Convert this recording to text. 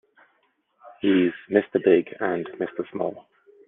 He's Mr. Big and Mr. Small.